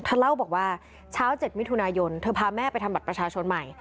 เล่าบอกว่าเช้า๗มิถุนายนเธอพาแม่ไปทำบัตรประชาชนใหม่